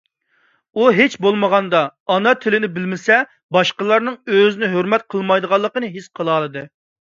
ئۇ ھېچ بولمىغاندا، ئانا تىلنى بىلمىسە باشقىلارنىڭ ئۆزىنى ھۆرمەت قىلمايدىغانلىقىنى ھېس قىلالىدى.